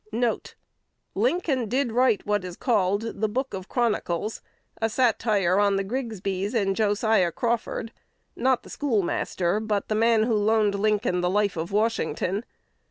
1 "Lincoln did write what is called 'The Book of Chronicles,' a satire on the Grigs bys and Josiah Crawford, not the schoolmaster, but the man who loaned Lincoln 'The Life of Washington.'